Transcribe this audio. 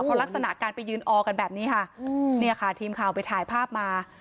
เพราะลักษณะการไปยืนออกันแบบนี้ค่ะเนี่ยค่ะทีมข่าวไปถ่ายภาพมา